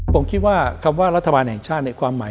ผมคิดว่าคำว่ารัฐบาลแห่งชาติในความหมาย